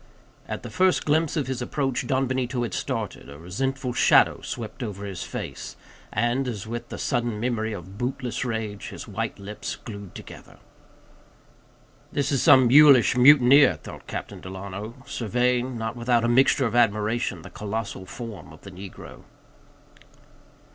At the first glimpse of his approach, Don Benito had started, a resentful shadow swept over his face; and, as with the sudden memory of bootless rage, his white lips glued together. This is some mulish mutineer, thought Captain Delano, surveying, not without a mixture of admiration, the colossal form of the negro.